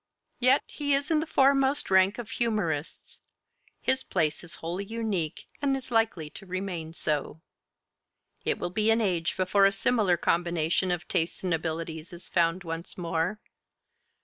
Yet he is in the foremost rank of humorists; his place is wholly unique, and is likely to remain so. It will be an age before a similar combination of tastes and abilities is found once more.